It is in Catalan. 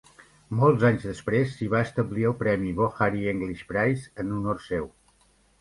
Molts anys desprès, s'hi va establir el premi Bokhari English Prize en honor seu.